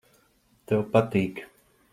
Tev patīk.